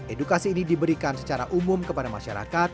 edukasi ini diberikan secara umum kepada masyarakat